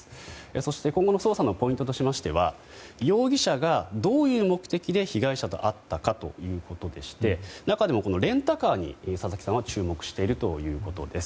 そして、今後の捜査のポイントとしましては容疑者がどういう目的で被害者と会ったかということでして中でもレンタカーに佐々木さんは注目しているということです。